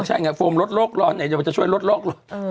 ใช่ไงโฟมลดโลกร้อนไหนจะช่วยลดโลกรถ